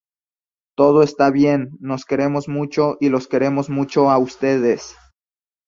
Todo está bien, nos queremos mucho y los queremos mucho a ustedes...